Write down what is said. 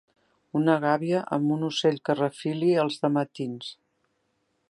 Una gàbia, amb un ocell que refili els de matins